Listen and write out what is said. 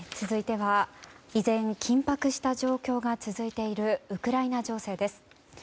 続いては依然、緊迫した状況が続いているウクライナ情勢です。